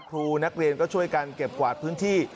ครูนักเรียนก็ช่วยกันเก็บกวาดพื้นที่